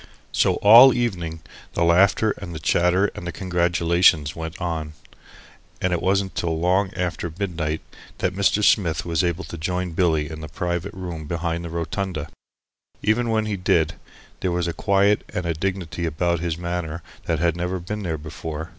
So all evening the laughter and the chatter and the congratulations went on, and it wasn't till long after midnight that Mr. Smith was able to join Billy in the private room behind the "rotunda." Even when he did, there was a quiet and a dignity about his manner that had never been there before.